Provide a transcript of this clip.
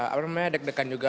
alhamdulillah deg degan juga